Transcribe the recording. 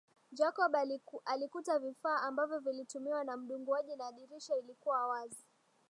Jacob alikuta vifaa ambavyo vilitumiwa na mdunguaji na dirisha lilikuwa wazi